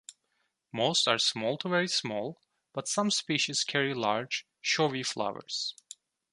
Most are small to very small, but some species carry large, showy flowers.